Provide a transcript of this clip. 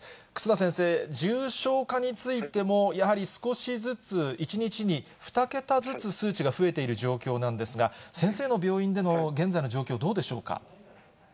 忽那先生、重症化についても、やはり少しずつ、１日に２桁ずつ数値が増えている状況なんですが、先生の病院での現在の状況どうでしょうか。